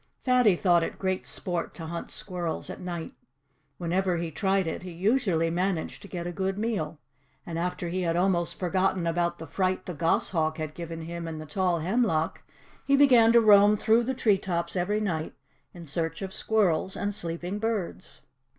Fatty thought it great sport to hunt squirrels at night. Whenever he tried it he usually managed to get a good meal. And after he had almost forgotten about the fright the goshawk had given him in the tall hemlock he began to roam through the tree tops every night in search of squirrels and sleeping birds.